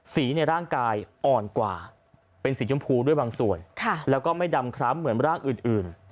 ในร่างกายอ่อนกว่าเป็นสีชมพูด้วยบางส่วนแล้วก็ไม่ดำคล้ำเหมือนร่างอื่น